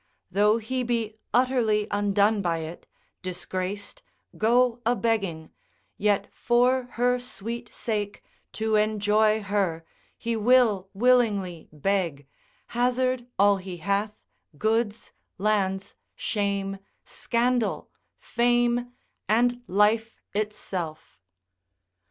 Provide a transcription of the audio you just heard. though he be utterly undone by it, disgraced, go a begging, yet for her sweet sake, to enjoy her, he will willingly beg, hazard all he hath, goods, lands, shame, scandal, fame, and life itself.